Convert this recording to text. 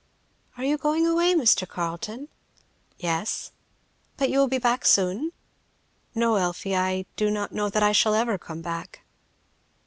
"Are you going away, Mr. Carleton?" "Yes." "But you will be back soon?" "No, Elfie, I do not know that I shall ever come back."